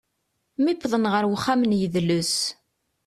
Mi wwḍen ɣer uxxam n yidles.